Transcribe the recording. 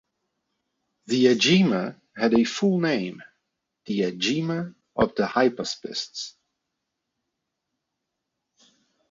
The Agema had a full name, 'The Agema of the Hypaspists'.